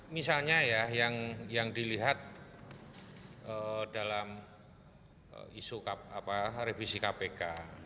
misalnya ya yang dilihat dalam isu revisi kpk